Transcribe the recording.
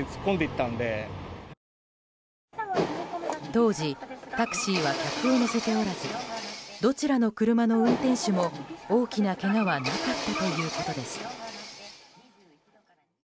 当時、タクシーは客を乗せておらずどちらの車の運転手も大きなけがはなかったということです。